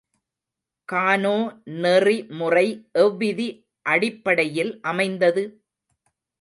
கானோ நெறிமுறை எவ்விதி அடிப்படையில் அமைந்தது?